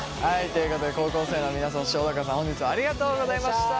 ということで高校生の皆さんそして小高さん本日はありがとうございました！